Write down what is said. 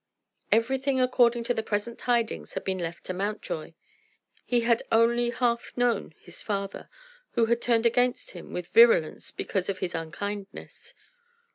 Everything according to the present tidings had been left to Mountjoy. He had only half known his father, who had turned against him with virulence because of his unkindness.